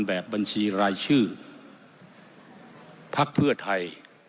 แบบบัญชีรายชื่อพักเพื่อไทย